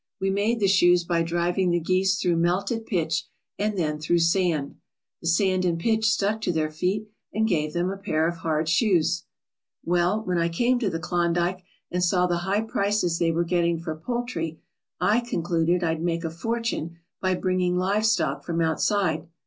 We made the shoes by driving the geese through melted pitch and then through sand. The sand and pitch stuck to their feet and gave them a pair of hard shoes. "Well, when I came to the Klondike and saw the high prices they were getting for poultry I concluded I'd make a fortune by bringing live stock from outside.